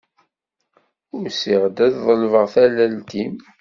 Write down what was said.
Usiɣ-d ad ḍelbeɣ tallelt-im.